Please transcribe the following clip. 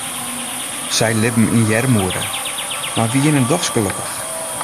Sy libben yn earmoede, mar wiene dochs gelokkich.